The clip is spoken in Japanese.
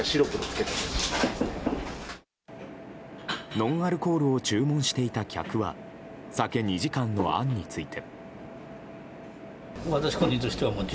ノンアルコールを注文していた客は酒２時間の案について。